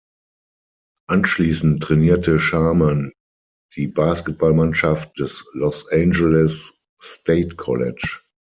Anschließend trainierte Sharman die Basketballmannschaft des Los Angeles State College.